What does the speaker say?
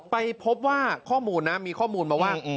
ไปพบว่าข้อมูลนะมีข้อมูลมาว่า